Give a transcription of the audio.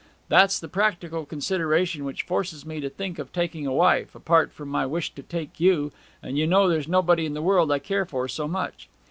That's the practical consideration which forces me to think of taking a wife, apart from my wish to take you; and you know there's nobody in the world I care for so much.'